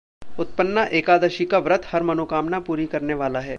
उत्पन्ना एकादशी का व्रत हर मनोकामना पूरी करने वाला है